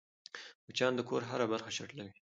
مچان د کور هره برخه چټلوي